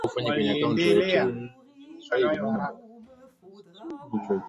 Napenda lugha ya Kiswahili